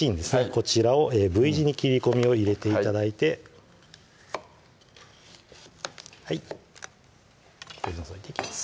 こちらをＶ字に切り込みを入れて頂いて取り除いていきます